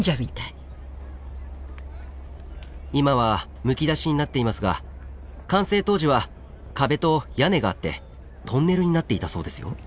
今はむき出しになっていますが完成当時は壁と屋根があってトンネルになっていたそうですよ。